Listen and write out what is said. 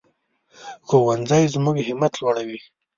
ښوونځی زموږ همت لوړوي